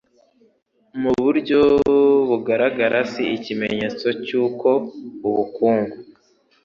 mu buryo bugaragara si ikimenyetso cy'uko ubukungu